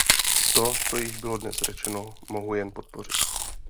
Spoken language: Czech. To, co již bylo dnes řečeno, mohu jen podpořit.